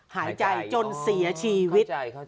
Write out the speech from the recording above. หายใจจนเสียชีวิต